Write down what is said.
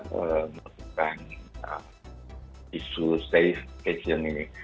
yang merupakan isu staycation ini